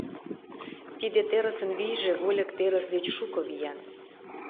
Тиде терысын вийже вольык терыс деч шуко виян.